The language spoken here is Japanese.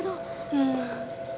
うん。